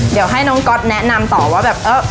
เดี๋ยวให้น้องก๊อตแนะนำต่อว่าแบบเออ